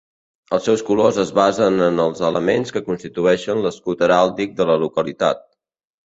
Els seus colors es basen en els elements que constitueixen l'escut heràldic de la localitat.